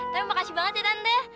tapi makasih banget ya tante